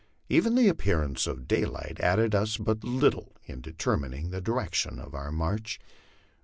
Even the appearance of daylight aided us but little in determining the direction of our march.